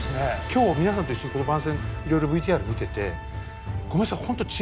今日皆さんと一緒にこの番宣いろいろＶＴＲ見ててごめんなさい